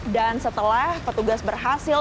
dan setelah petugas berhasil